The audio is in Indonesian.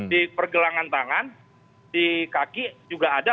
di pergelangan tangan di kaki juga ada